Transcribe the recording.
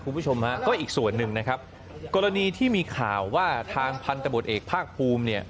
คุณผู้ชมฮะก็อีกส่วนหนึ่งนะครับกรณีที่มีข่าวว่าทางพันธบทเอกภาคภูมิเนี่ย